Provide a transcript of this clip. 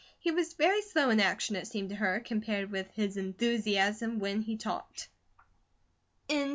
He was very slow in action it seemed to her, compared with his enthusiasm when he talked.